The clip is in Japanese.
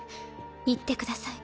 言ってください。